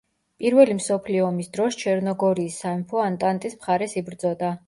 პირველი მსოფლიო ომის დროს ჩერნოგორიის სამეფო ანტანტის მხარეს იბრძოდა.